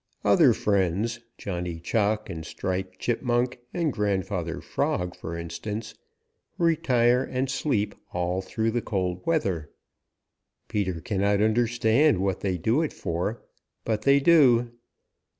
Other friends, Johnny Chuck and Striped Chipmunk and Grandfather Frog for instance, retire and sleep all through the cold weather. Peter cannot understand what they do it for, but they do.